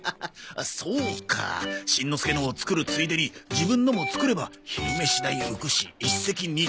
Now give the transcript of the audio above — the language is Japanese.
そうかしんのすけのを作るついでに自分のも作れば昼飯代浮くし一石二鳥だよな。